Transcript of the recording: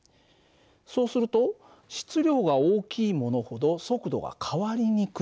そうすると質量が大きいものほど速度が変わりにくい。